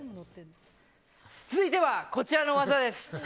続いてはこちらの技です。